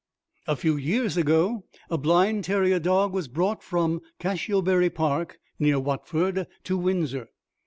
A few years ago, a blind terrier dog was brought from Cashiobury Park, near Watford, to Windsor.